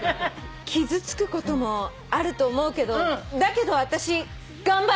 傷つくこともあると思うけどだけど私頑張る！